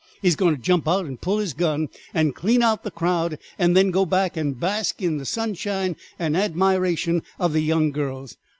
He is going to jump out and pull his gun and clean out the crowd, and then go back and bask in the sunshine and admiration of the young girls.